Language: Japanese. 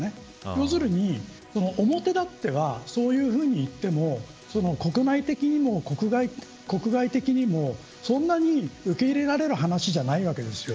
要するに、表立ってはそういうふうに言っても国内的にも国外的にもそんなに受け入れられる話しではないわけです。